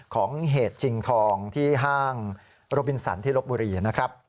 ของเหตุจิงทองที่ห้างโรบินสันที่ลบบุรีนะครับ